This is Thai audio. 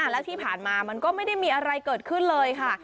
และที่ผ่านมามันก็ไม่ได้มีอะไรเกิดขึ้นเลยค่ะ